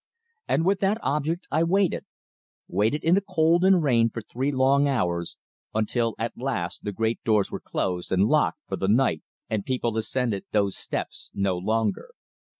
And with that object I waited waited in the cold and rain for three long hours, until at last the great doors were closed and locked for the night, and people ascended those steps no longer.